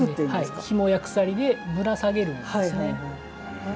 ひもや鎖でぶら下げるものですね。